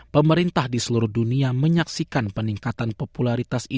pemerintah di seluruh dunia menyaksikan peningkatan popularitas ini